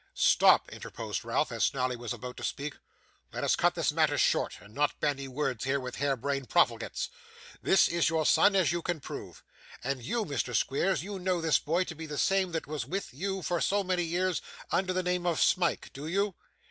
'Stop,' interposed Ralph, as Snawley was about to speak. 'Let us cut this matter short, and not bandy words here with hare brained profligates. This is your son, as you can prove. And you, Mr. Squeers, you know this boy to be the same that was with you for so many years under the name of Smike. Do you?